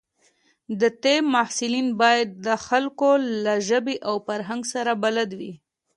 د طب محصلین باید د خلکو له ژبې او فرهنګ سره بلد وي.